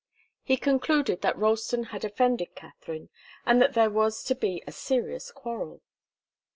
He concluded that Ralston had offended Katharine, and that there was to be a serious quarrel.